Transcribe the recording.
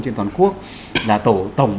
trên toàn quốc là tổ tổng